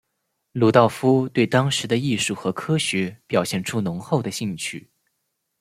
鲁道夫对当时的艺术和科学表现出浓厚的兴趣。